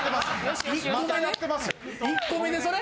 １個目でそれ？